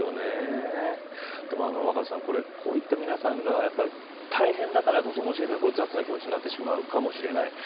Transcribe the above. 若狭さん、こういった皆さんが大変だからこそ雑な気持ちになってしまうかもしれない。